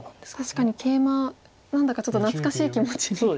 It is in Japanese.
確かにケイマ何だかちょっと懐かしい気持ちに。